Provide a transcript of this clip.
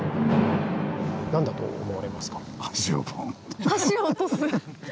何だと思われますか？